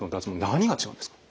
何が違うんですか？